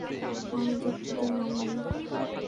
আমি দুঃখিত, মামনি।